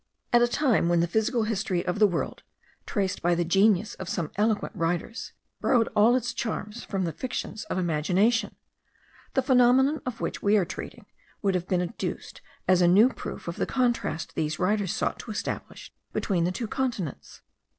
At a time when the physical history of the world, traced by the genius of some eloquent writers, borrowed all its charms from the fictions of imagination, the phenomenon of which we are treating would have been adduced as a new proof of the contrast these writers sought to establish between the two continents.